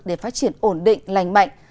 để phát triển ổn định lành mạnh